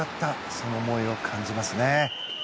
その思いを感じますね。